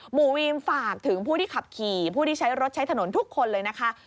วีมฝากถึงผู้ที่ขับขี่ผู้ที่ใช้รถใช้ถนนทุกคนเลยนะคะ